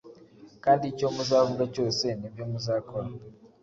Kandi icyo muzavuga cyose n’ibyo muzakora,